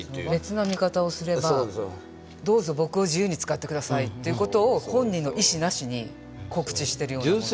別な見方をすればどうぞ僕を自由に使って下さいという事を本人の意思なしに告知してるような。